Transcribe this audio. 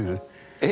えっ！